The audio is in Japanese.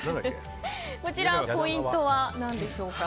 こちらポイントは何でしょうか。